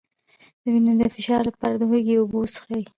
د وینې د فشار لپاره د هوږې اوبه وڅښئ